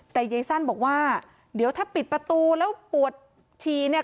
แต่ยายสั้นบอกว่าเดี๋ยวถ้าปิดประตูแล้วปวดฉี่เนี่ย